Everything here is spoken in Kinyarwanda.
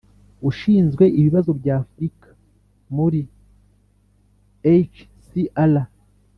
ushinzwe ibibazo by'afurika muri hcr,